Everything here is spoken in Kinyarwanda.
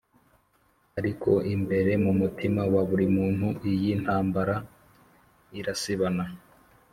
. Ariko imbere mu mutima wa buri muntu iyi ntambara irasibana